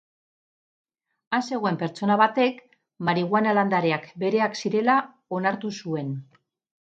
Han zegoen pertsona batek marihuana landareak bereak zirela onartu zuen.